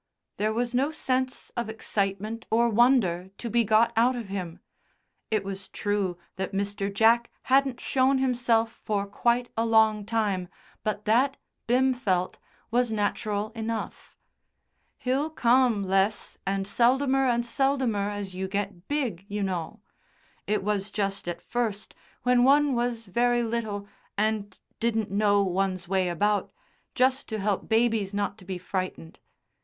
There was no sense of excitement or wonder to be got out of him. It was true that Mr. Jack hadn't shown himself for quite a long time, but that, Bim felt, was natural enough. "He'll come less and seldomer and seldomer as you get big, you know. It was just at first, when one was very little and didn't know one's way about just to help babies not to be frightened.